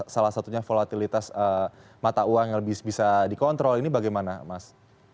salah satunya volatilitas mata uang yang bisa dikontrol ini bagaimana mas